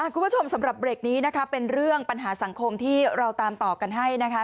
สำหรับเบรกนี้นะคะเป็นเรื่องปัญหาสังคมที่เราตามต่อกันให้นะคะ